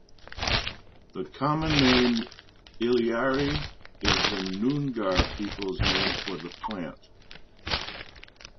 The common name "Illyarrie" is the Noongar peoples name for the plant.